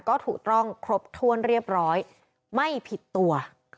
ก็ถูกต้องครบถ้วนเรียบร้อยไม่ผิดตัว